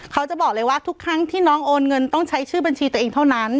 เขาจะบอกเลยว่าทุกครั้งที่น้องโอนเงินต้องใช้ชื่อบัญชีตัวเองเท่านั้น